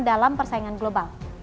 dalam persaingan global